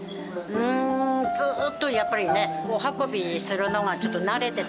うーんずーっとやっぱりねお運びするのがちょっと慣れてたから。